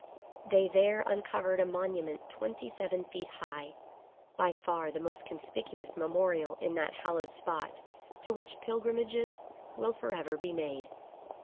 They there uncovered a monument twenty seven feet high, by far the most conspicuous memorial in that hallowed spot, to which pilgrimages will forever be made.